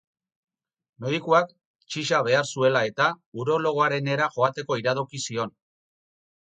Medikuak, txiza behar zuela-eta, urologoarenera joateko iradoki zion.